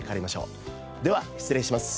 では失礼します。